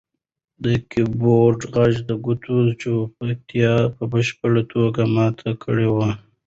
د کیبورډ غږ د کوټې چوپتیا په بشپړه توګه ماته کړې وه.